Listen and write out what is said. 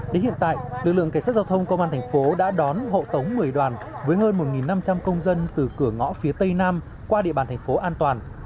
đến hiện tại lực lượng cảnh sát giao thông công an thành phố đã đón hộ tống một mươi đoàn với hơn một năm trăm linh công dân từ cửa ngõ phía tây nam qua địa bàn thành phố an toàn